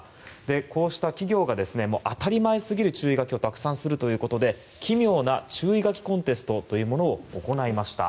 こうした企業が当たり前すぎる注意書きをたくさんするということで奇妙な注意書きコンテストというものを行いました。